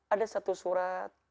ada satu surat